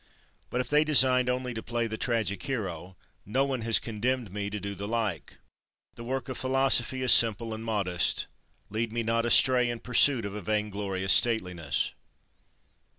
But, if they designed only to play the tragic hero, no one has condemned me to do the like. The work of philosophy is simple and modest. Lead me not astray in pursuit of a vainglorious stateliness.